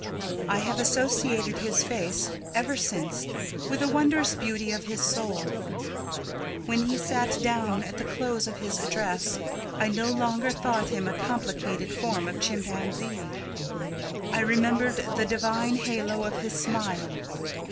I have associated his face ever since with the wondrous beauty of his soul. When he sat down, at the close of his address, I no longer thought him a complicated form of chimpanzee. I remembered the divine halo of his smile.